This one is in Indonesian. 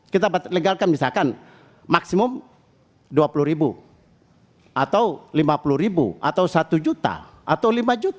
kita legalkan misalkan maksimum rp dua puluh atau rp lima puluh atau rp satu atau rp lima